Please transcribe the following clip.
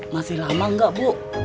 masih lama gak bu